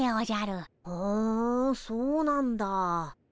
ふんそうなんだ。